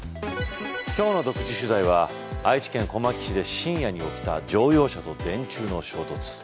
今日の独自取材は愛知県小牧市で深夜に起きた乗用車と電柱の衝突。